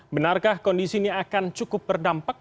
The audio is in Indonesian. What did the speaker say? benarkah kondisi ini akan cukup berdampak